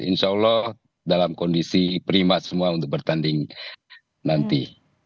insya allah dalam kondisi prima semua untuk bertanding nanti